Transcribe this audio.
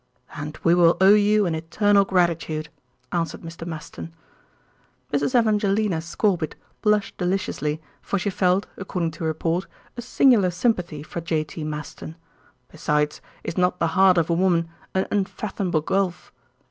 "And we will owe you an eternal gratitude," answered Mr. Maston. Mrs. Evangelina Scorbitt blushed deliciously, for she felt, according to report, a singular sympathy for J.T. Maston. Besides, is not the heart of a woman an unfathomable gulf?